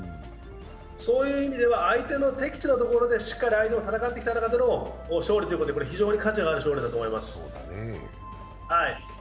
そういう意味では相手の敵地のところで戦ってきた中での勝利ということで非常に価値のある勝利だと思います。